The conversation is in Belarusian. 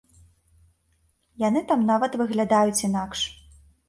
Яны там нават выглядаюць інакш.